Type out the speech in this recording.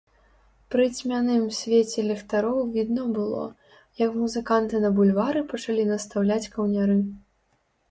Пры цьмяным свеце ліхтароў відно было, як музыканты на бульвары пачалі настаўляць каўняры.